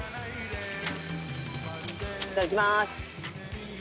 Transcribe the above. いただきます。